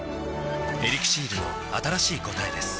「エリクシール」の新しい答えです